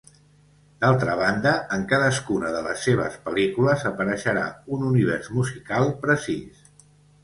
D'altra banda, en cadascuna de les seves pel·lícules apareixerà un univers musical precís.